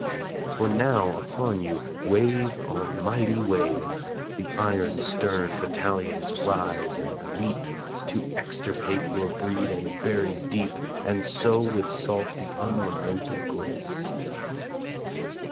For now upon you, wave on mighty wave, The iron stern battalions rise and leap To extirpate your breed and bury deep And sow with salt the unlamented grave!